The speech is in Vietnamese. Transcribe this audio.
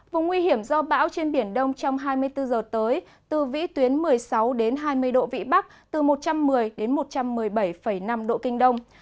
vùng nguy hiểm do bão trên biển đông trong hai mươi bốn h tới từ vĩ tuyến một mươi sáu đến hai mươi độ vị bắc từ một trăm một mươi đến một trăm một mươi bảy năm độ kinh đông